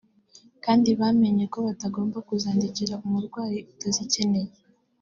kandi bamenye ko batagomba kuzandikira umurwayi utazikeneye